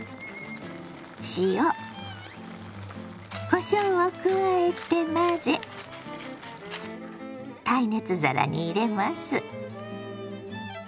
塩こしょうを加えて混ぜ耐熱皿に入れます。